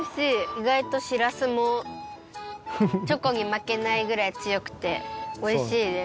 いがいとしらすもチョコにまけないぐらいつよくておいしいです。